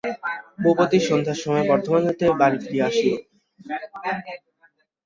ভূপতি সন্ধ্যার সময় বর্ধমান হইতে বাড়ি ফিরিয়া আসিল।